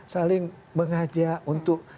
saling mengajak untuk